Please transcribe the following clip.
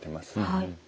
はい。